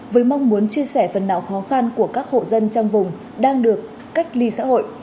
với mong muốn chia sẻ phần nào khó khăn của các hộ dân trong vùng đang được cách ly xã hội